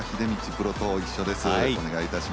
プロと一緒です。